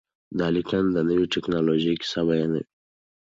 دا لیکنه د نوې ټکنالوژۍ کیسه بیانوي.